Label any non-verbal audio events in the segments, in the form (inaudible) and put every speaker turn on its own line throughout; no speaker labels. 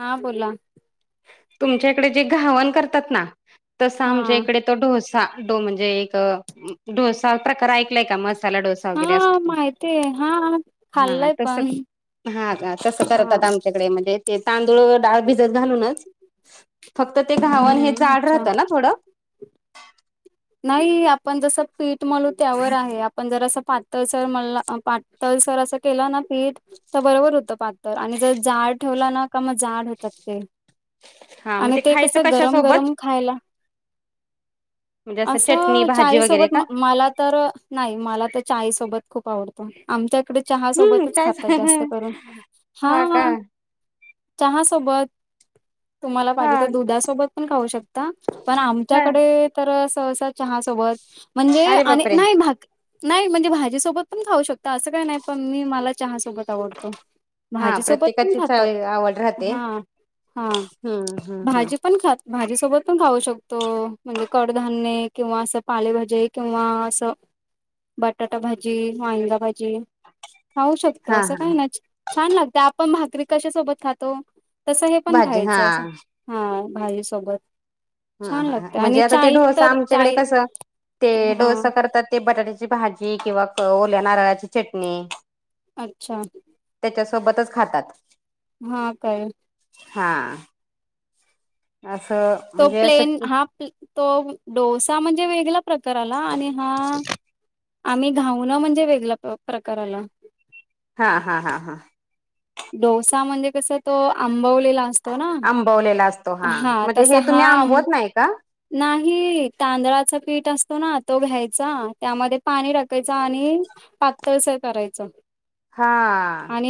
हा बोला!
तुमच्या इकडे जे घावण करतात ना, तस
हा
आमच्या इकडे डोसा तो म्हणजे एक डोसा प्रकार ऐकलाय का मसाला डोसा. वगैरे
हा
असतो
माहतीय हा
हा
खाल्लंय
तस
पण.
हा का तसं
हा
करतात आमच्याकडे म्हणज ते तांदूळ डाळ भिजत घालूनच. फक्त ते घावण हे
हम्म
जाड
अच्छा
राहतं ना थोडं.
नाही आपण जसं पीठ म्हलू त्यावर आहे आपण जरसं पातळसर मला तलसर असं केलं ना पीठ. तर बरोबर होत पातर आणि जर जाड ठेवला ना का मग जाड होतात ते‌.
हा मग
आणि ते
खायचं
कसं
कशा
गरम
सोबत
गरम खायला.
म्हणजे चटणी
असं
भाजी
चाहीस
वगैरे
सोबत
का
मला तर, नाही मला तर चायसोबत खूप आवडतं आमच्या इकडे चहा
हम्म
सोबतच
कायच
खातात जास्त करून. हा हा चहा सोबत. तुम्हाला
हा
पाहिजे तर दुधासोबत पण खाऊ शकता पण
हा
आमच्याकडे तर सहसा चहा सोबत. म्हणजे
अरे बापरे
नाही भात. नाही म्हणजे भाजीसोबत पण खाऊ शकतो, असं काही नाही पण मी मला चहासोबत आवडतो.
हा
भाजी सोबत पण
प्रत्येकाचीच
खातात.
आवड राहते
हा हा
हम्म हम्म हम्म
भाजी पण खात भाजी सोबत पण खाऊ शकतो म्हणजे कड धान्य किंवा असं पालेभाजे किंवा असं बटाटा भाजी, कांदा भाजी खाऊ शकतो
हा
असं काही
हा
ना छान लागत, आपण भाकरी कशा सोबत खातो? तस हे पण
भाजी हा
खायचं असं हा भाजीसोबत.
ह हा म्हणजे आता ते डोसा आमच्याकडे कसं ते
हा
डोसा करतात. ते बटाट्याची भाजी किंवा ओल्या नारळाची चटणी.
अच्छा.
त्याच्यासोबतच खातात.
हा काय?
हा. अस.
तो प्लेन हा तो डोसा म्हणजे वेगळा प्रकार आला आणि हा आम्ही घाऊ ना म्हणजे वेगळ प्रकार आला.
हा हा हा हा.
डोसा म्हणजे कसं तो आंबवलेला अस असताना
आंबवलेला असतो
हा
म्हणजे
तस
हे तुम्ही
हा.
आंबवत नाही का
नाही तांदळाच पीठ असतो ना तो घ्यायचा त्यामध्ये पाणी टाकायचा आणि पातळस करायचं.
हा.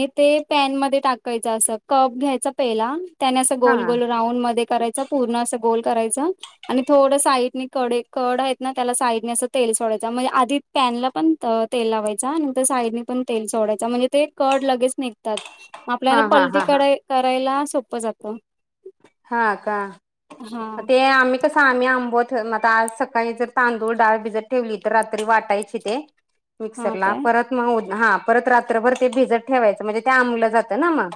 पॅन मध्ये टाकाय, अस कप घ्यायचा पेला त्याने असं
हा
गोल गोल राऊंड मध्ये करायचा पूर्ण असं गोल करायचा. आणि थोडं साईडनी कडे कड आहेत ना त्याला साईडने असं तेल सोडायचं म्हणजे आधी. पॅनला पण तेल लावायचा आणि साईडनी पण तेल सोडायचा म्हणजे ते कड लगेच निघतात. आपल्याला
हा हा
पलटी
हा
क
हा
करायला सोपं जात.
हा का म ते आम्ही कस आम्ही आंबोत म आज सकाळी जर तांदूळ डाळ भिजर ठेवली तर रात्री वाटायची ते.
हा
मिक्सरला
काय
परत मग हा परत रात्रभर ते भिजत ठेवायचं म्हणजे ते आंबलं जातं ना मग.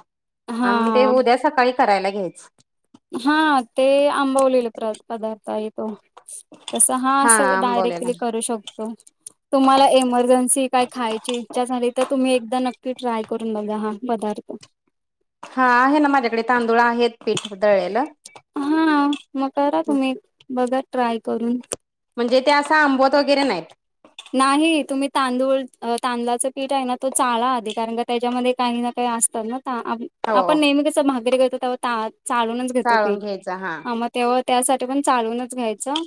ह मग ते
हा
उद्या सकाळी करायला घ्यायच.
हा ते आंबवलेले पदार्थ येतो. तस हा अस डायरेक्टली करू शकतो. तुम्हाला एमर्जन्सी काय खायची इच्छा झाली तर तुम्ही एकदा नक्की ट्राय करून बघा हा पदार्थ.
हा आहे ना माझ्याकडे तांदूळ आहेत पीठ दळला.
हा मग करा तुम्ही बघा ट्राय करून.
म्हणजे ते असं आंबोत वगैरे नाहीत.
नाही तुम्ही तांदूळ तांदळाचं पीठ आहे ना तो चाळा आधी कारण का त्याच्यामध्ये काही ना काही अस
हो
आपण नेहमी भागरी करतो ते चालूनच घेतो पीठ.
चाळून घ्यायचा हा
तेव्हा त्यासाठी पण चालूनच घ्यायचं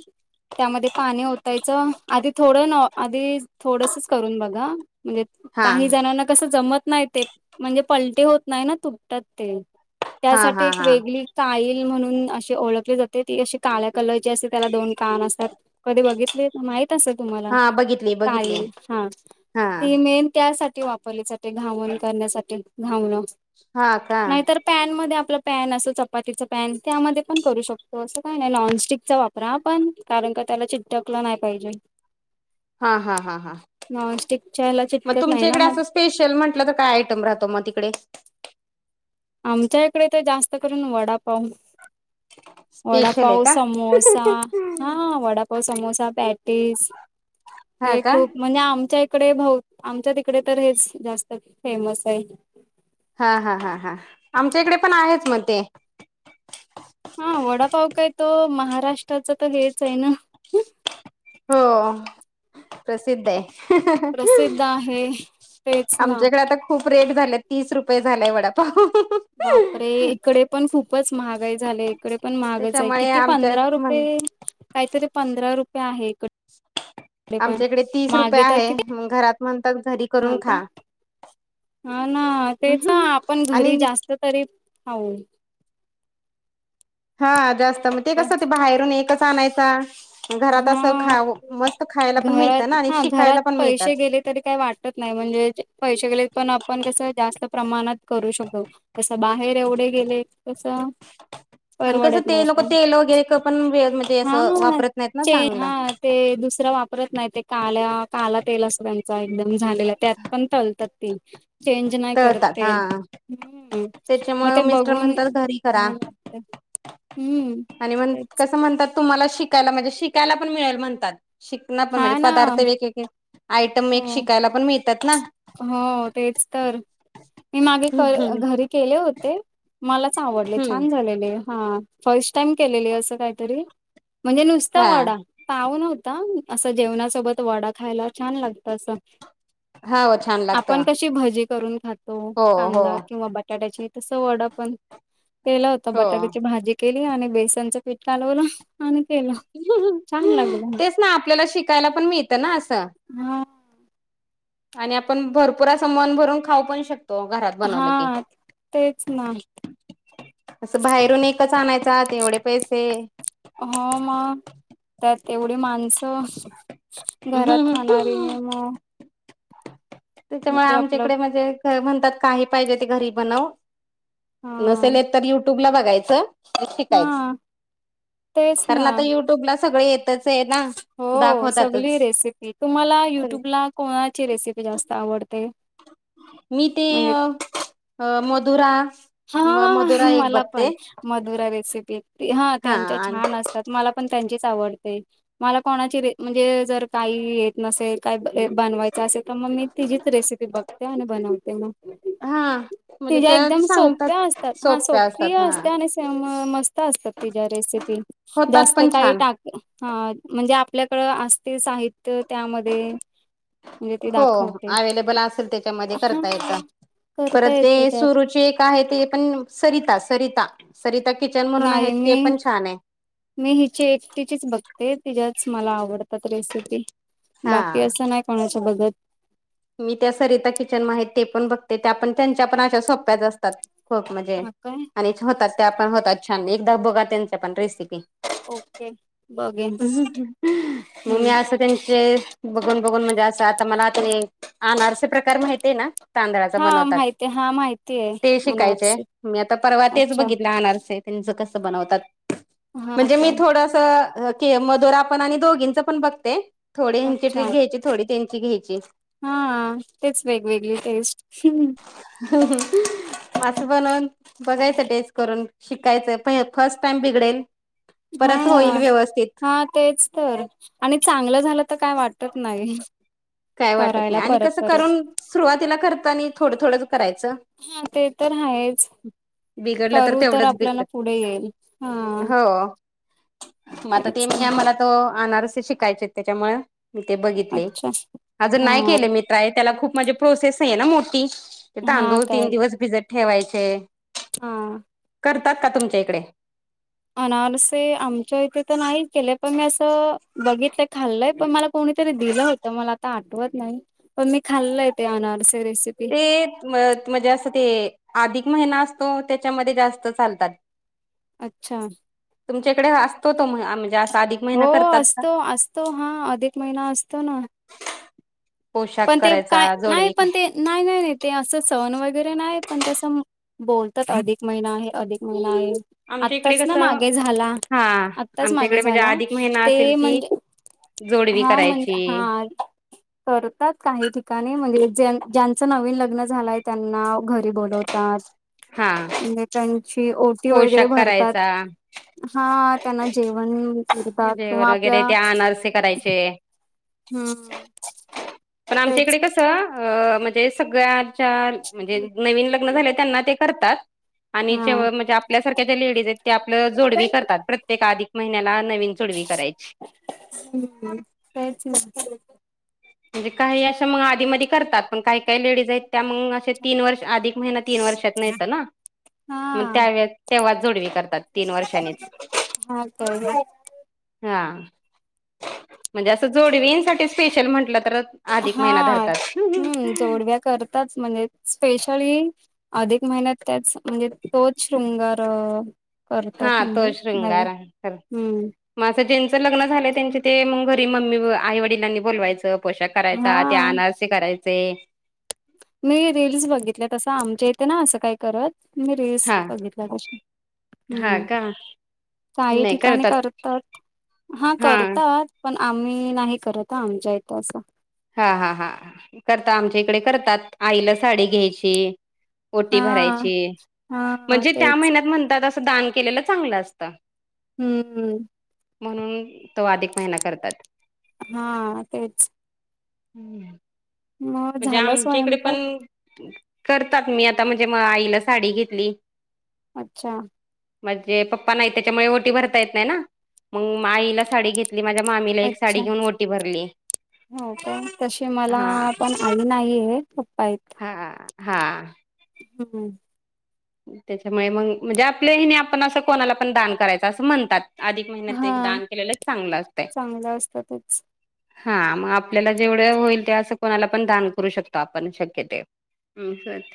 त्यामध्ये पाणी ओतायचं आधी थोडं न आधी थोडसच करून बघा म्हणजे
हा
काही जणांना कसं जमत नाही ते म्हणजे पलटी होत नाही ना तुटतात ते
हा
त्यासाठी
हा
एक
हा
वेगळी काईल म्हणून असे ओळखले जाते ती अशी काळ्या कलरची असते त्याला दोन कान असतात. कधी बघितले माहित असे तुम्हाला.
हा बघितली बघितली
काईल हा
हा
ती मेन त्यासाठी वापरली जाते घावण करण्यासाठी घावणं-
हा का?
पॅन मध्ये आपलं पॅन असो चपातीचा पॅन त्यामध्ये पण करू शकतो असं काय नाही नॉनस्टिकचा वापर रा पण कारण का त्याला चिटटकलं नाही पाहिजे.
हा हा हा हा.
नॉनस्टिकच्या याला
मग
चटकत नाही
तुमच्या
ना
इकडे
मग.
असं स्पेशल म्हटलं तर काय आयटम राहतो मग तिकडे?
आमच्या इकडे तर जास्त करून वडापाव.
(unintelligible) आहे
वडापाव
का
समोसा, हा वडापाव समोसा पॅटीस
हा
हे
का.
खूप म्हणजे आमच्या इकडे भाव आमच्या तिकडे तर हेच जास्त फेमस आहे.
हा हा हा हा आमच्या इकडे पण आहेच मग ते,
हा वडापाव काय तो महाराष्ट्राचा तर हेच आहे ना.
हो प्रसिद्ध आहे.
प्रसिद्ध आहे
(unintelligible)
तेच ना
आमच्याकडे आता. खूप रेट झालाय तीस रुपये झालाय वडापाव
बापरे इकडे पण खूपच महागाई झाली इकडे पण महागच आहे.
त्याच्यामुळे
किती
आमच्या
पंधरा
म्हण
रुपये काही तर ते पंधरा रुपये आहे इकडे पण
आमच्याकडे तीस रुपये
मागे तर
आहे.
किती
मग घरात म्हणतातरी
हा का हा ना तेच आपण
आणि
घरी जास्त तरी हो.
हा जास्त मग ते
पण
कसं ते बाहेरून एकच आणायच. घरात असं खा
हा
मस्त खायला पण मिळतं
घरात
ना आणि
हा घरात
शिकायला पण
पैसे
मिळतात.
गेले काही वाटत नाही म्हणजे पैसे गेले पण आपण कस जास्त प्रमाणात करू शकतो. बाहेर एवढे गेले कसं.
आणि कसं ते नक तेल वगैरे पण म्हणजे असं वापरत. नाहीत ना
चेज हा
चांगलं
ते दुसरां वापरत नाही. ते का काला तेल असत. त्यां एकदम झालेला त्यात पण तलतात ती चेंज नाही करत
तळतात हा
तेल हम्म मग
त्याच्यामुळे
ते
मिस्टर
बघून
म्हणतात घरी करा
घान वाटत. हम्म
आणि म्हण
तेच.
कसं म्हणतात तुम्हाला शिकायला म्हणजे शिकायला पण मिळेल म्हणतात शिक पण म्हणजे
हा ना
पदार्थ वेग आयटम एक
हो
शिकायला पण मिळतात ना?
हो तेच तर मी मागे क
हम्म
घरी केले होते. मलाच आवडले छान झालेले हा फर्स्ट टाइम केलेली असं काहीतरी, म्हणजे नुसता
हा
वडा. पाऊ नवता असं जेवणासोबत वडा खायला छान लागत असं!
हा अ
आपण कशी भजी करून खातो
हो हो
कांदा किंवा बटाट्याची तसं वडा पण केलं होत
हो.
बटाट्याची भाजी केली, आणि बेसनचं पीठ कालवलं आणि केलं. छान लागलं
तेच ना आपल्याला शिकायला पण मिळत ना असं.
हम
आणि आपण भरपुर अस मन भरून खाऊ पण शकतो. घरात
हा
बनवलं की.
तेच ना.
असं बाहेरून एकच आणायच एवढे पैसे,
हो मग त्यात एवढी माणसं घरात खाणारी हो
त्याच्यामुळे
आपलं
आमच्याकडे म्हणजे म्हणतात काही पाहिजे ते घरी बनव.
हा
नसेल तर युट्यूब ला बघायचं. ते शिकायच.
हा तेच
कारण
ना
आता युट्यूब ला सगळ येतच आहे ना!
हो सगळी
दाखवतातच
रेसिपी तुम्हाला युट्यूब ला. कोणाची रेसिपी जास्त आवडते.
मी ते
म्हणजे
मधुरा
हा
म मधुरा एक
मला
बघते
पण मधुरा रेसिपी ह
हा
त्यांच्या छान असतात. मला पण त्यांचीच आवडते. मला कोणाची र म्हणजे जर काही येत नसेल काय बनवायचं असेल तर मग मी, तिजीच रेसिपी बघते आणि बनवते मग.
हा म्हणजे त्याच सांग - -
त्या असतात हा सोबप्रिय असत्या आणि त्यामुळं मस्त असतात तिच्या रेसिपी,
होतात
जास्त
पण
काही
छान
टा - - हा म्हणजे आपल्याकडं असतील साहित्य त्यामध्ये - -
हो. अवेलेबल असेल त्याच्यामध्ये करता येतं.
हां
परत
करता येतं
ते
त्यात
सुरूची एक - - का आहे ते पण सरिता, सरिता, सरिता किचन म्हणून आहे
नाही
ते
मी
पण छान आहे.
मी हिची एकटीचीच बघते तिच्याच मला आवडतात रेसिपी. बाकी
हा
असं नाही कोणाच्या बगत.
मी त्या सरिता किचन मा आहेत ते पण बघते. त्या पण त्यांच्या पण अशा सोप्याच असतात. खूप म्हणजे
हा काय
आणि होतात त्या पण होतात छान एकदा बघा त्यांच्या पण रेसिपी
ओके बघेन
ममी
हम्म
असं त्यांचे बघून बघून म्हणजे असं आता मला आ ते आणारसे प्रकार माहित आहे ना. तांदळाचा
हा
बनवतात.
माहिती हा माहिती आहे
ते शिकायचाय
अनारसे
मी आता परवा तेच
अच्छा
बघितले आणारसे. त्यांच कसं बनवतात
हा
म्हणजे मी
काय
थोड स के मधुरा पण आणि दोघींनच पण बघते. थोडी हेनची
अच्छा
ट्रिक घ्यायची थोडी तेन ची घ्यायची.
हा. तेच वेगवेगळी टेस्ट
ह (unintelligible) असं बनवून बघायचं टेस्ट करून शिकायचं पहि फर्स्ट टाइम बिघडेल.
हा
परत होईल
ना.
व्यवस्थित
हा तेच तर आणि चांगलं झालं तर काय वाटत नाही.
काय वाटत
करायला
नाही आणि
परत
कसं
परत
करून सुरुवातीला करत आणि थोडं थोडं करायचं.
हा ते तर आहेच.
बिघडलं
करू तर
तेवढंच
आपल्याला
बिघडत
पुढे येईल हा.
हो मग आता ते
तेच
म्हणे
ना
आम्हाला तो आणारसे शिकायचे त्याच्यामुळ मी ते बघितले.
अच्छा
र नाही
हा
के मी ट्राय त्याला खूप म्हणजे प्रोसेस आहे ना मोठी त तीन
हा
दिवस
काय
तांदुळ भीजत ठेवायचे.
हा.
करतात का तुमच्या इकडे?
अनारसे आमच्या इथे तर नाही केलेय, पण मी असं बघितलंय खाल्लंय पण मला कोणीतरी दिलं होत मला आता आठवत नाही, पण मी खाल्लं आहे ते अनारस रेसिपी.
ते म्हणजे असं ते अधिक महिना असतो त्याच्यामध्ये जास्त चालतात. (inaudible)
अच्छा.
तुमच्या इकडे असतो तो म्ह -म्हणजे असा आधिक?
हो असतो, असतो, हा अधिक महिना असतो ना.
पोशाख
पण ते
करायचा
काय नाही,
जोडवी
पण
काय?
ते नाही, नाही, नाही ते असं सहण वगैरे नाही पण ते असं - बोलतात अधिक महिना आहे, अधिक महिना आहे.
आमच्या इकडे
आत्ताच ना
कसं
मागे झाला.
हा
आत्ताच
आमच्या
मागे
इकडे म्हणजे
झाला
अधिक महिना असेल
ते
की
म्हणजे
जोडवी
हा
करायची
मंजे हा. करतात काही ठिकाणी म्हणजे ज ज्यांच नवीन लग्न झालंय त्यांना. घरी बोलवतात
हा
म्हजे त्यांची ओटी वगैरे
पोशाख
भरतात.
करायचा
हा. त्यांना जेवण करतात किंवा
जेवण वगैरे
आपल्या
ते अनारसे
- -
करायचे
हम्.
पण आमच्या इकडे कसं अ म्हणजे सगळ्याच्या म्हणजे नवीन लग्न झाले त्यांना ते - - तात आणि जे
हा.
म्हणजे आपल्यासारख्या जे लेडीज आहेत आपलं जोडवी करतात. प्रत्येक आधिक महिन्याला नवीन जोडवी करायची.
हम्म त्याच (unintelligible)
म्हणजे काही अशा मग आधी मधी करतात, पण काही काही लेडीज आहेत त्या मग असे तीन वर्ष आधी महिना तीन वर्षात येतोना,
हा
मग त्या वेळेस तेव्हा च जोडवी करतात. तीन वर्षांनीच.
हा काय
हा, म्हणजे अस जोडवींसाठी स्पेशल म्हंटलं तर अधिक
हा,
महिना धरतात
हम्म जोडव्या करताच म्हणजे स्पेशली अधिक महिन्यात त्याच, म्हणजे तोच शृंगार. करतात
हा
म्हणजे, नाग, हम्म.
म असं ज्यांचं लग्न झालंय त्यांचे ते म घरी मम्मी आई वडिलांनी बोलवायचं. पोषाख करायचा ते
हा.
आनरसी करायचे.
मी रीलस बघितल्यात तसं आमच्या इथे ना असं काय करत. मी रिस,
हा
बघीतल्यात अशे,
हा
हम्म.
का
काही ठिकाणी करतात, हा करतात. पण आम्ही नाही करत हा आमच्या इथं असं.
हा हा हा, करता आमच्या इकडे करतात, आईला साडी घ्यायची. ओटी
हा
भरायची,
हा
म्हणजे त्या
तेच
महिन्यात म्हणतात असं दान केलेलं चांगलं असतं.
हम्म.
म्हणून, तो अधिक महिना करतात.
हा तेच.
हम्म,
मग
म्हणजे
झालं
आमच्या इकडे पण
स्वयंपाक
करतात मी आता म्हणजे म आईला साडी घेतली.
अच्छा!
म्हणजे पप्पा नाहीत त्याच्यामुळे ओटी भरता येत नाही ना, मग आईला साडी घेत मी माझ्या मामीला एक साडी
अच्छा
घेऊन ओटी भरली, हा.
मामी नाही येत, पप्पा येत.
हा, हा.
हम्म.
त्याच्यामुळे मग म्हणजे आपल्या हिने आपण असं कोणाला पण दान करायचं असं म्हणतात. अधिक महिन्यात एक
हा
दान केलेलं चांगलं असतय.
चांगलं असतं तेच
हा म आपल्याला जेवढ होईल ते असं कोणाला पण दान करू शकतो आपण शक्य ते. हम् सत,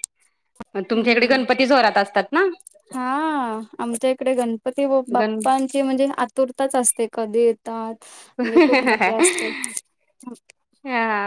म तुमच्याकडे
हम्म
गण
हा आमच्या इकडे गणपती
गण
बाप्प ची म्हणजे आतुरताच असते कधी येतात, म्हणजे खूप मज्जा असते.
हां.